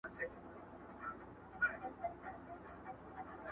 جل وهلی سوځېدلی د مودو مودو راهیسي.